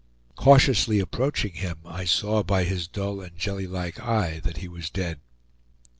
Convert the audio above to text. Cautiously approaching him, I saw by his dull and jellylike eye that he was dead.